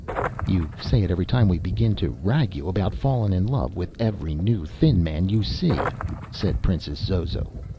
"You say it every time we begin to rag you about fallin' in love with every new thin man you see," said Princess Zozo.